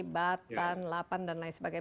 batan lapan dan lain sebagainya